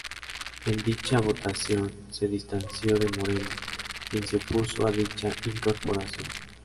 En dicha votación se distanció de Moreno, quien se opuso a dicha incorporación.